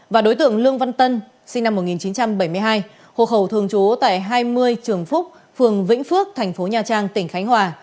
và đối tượng lương văn tân sinh năm một nghìn chín trăm bảy mươi hai hộ khẩu thường trú tại hai mươi trường phúc phường vĩnh phước thành phố nha trang tỉnh khánh hòa